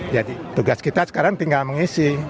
jadi tugas kita sekarang tinggal mengisi